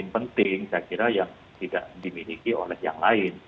yang penting saya kira yang tidak dimiliki oleh yang lain